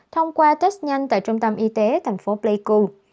thông qua test nhanh tại trung tâm y tế thành phố pleiku